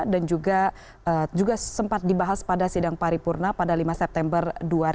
dan juga sempat dibahas pada sidang paripurna pada lima september dua ribu sembilan belas